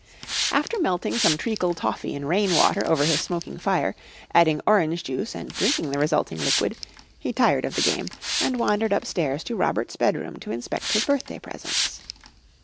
After melting some treacle toffee in rain water over his smoking fire, adding orange juice and drinking the resulting liquid, he tired of the game and wandered upstairs to Robert's bedroom to inspect his birthday presents.